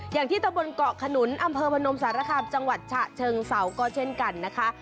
อย่างที่ตะบนเกาะขนุนอำเภอพนมสารคามจังหวัดฉะเชิงเศร้าก็เช่นกันนะคะ